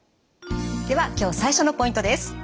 では今日最初のポイントです。